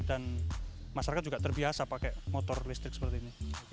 dan masyarakat juga terbiasa pakai motor listrik seperti ini